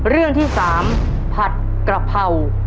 เรื่องที่๓ผัดกระเพรา